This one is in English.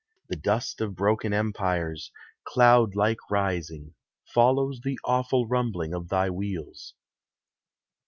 The dust of broken empires, cloud like rising, Follows the awful rumbling of thy wheels.